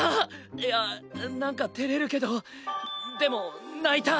いやなんかてれるけどでも泣いた。